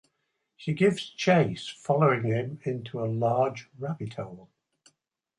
She gives chase, following him into a large rabbit hole.